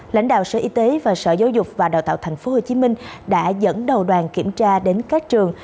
lãnh đạo sở y tế và sở giáo dục và đào tạo thành phố hồ chí minh đã dẫn đầu đoàn kiểm tra đến các trường